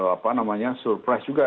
apa namanya surprise juga